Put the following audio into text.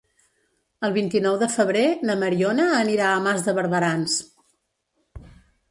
El vint-i-nou de febrer na Mariona anirà a Mas de Barberans.